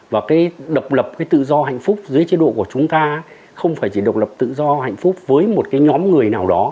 và cái độc lập cái tự do hạnh phúc dưới chế độ của chúng ta không phải chỉ độc lập tự do hạnh phúc với một cái nhóm người nào đó